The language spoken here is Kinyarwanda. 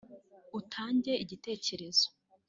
utange igitekerezo